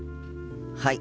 はい。